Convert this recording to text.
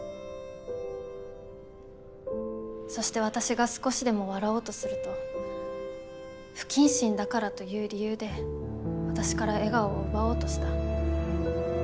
そして私が少しでも笑おうとすると不謹慎だからという理由で私から笑顔を奪おうとした。